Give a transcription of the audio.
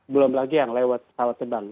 belum lagi yang lewat pesawat tebang